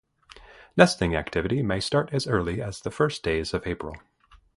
Nesting activity may start as early as the first days of April.